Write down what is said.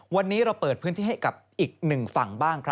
วันนี้เราเปิดพื้นที่ให้กับอีกหนึ่งฝั่งบ้างครับ